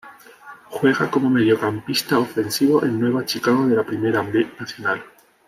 Juega como mediocampista ofensivo en Nueva Chicago de la Primera B Nacional.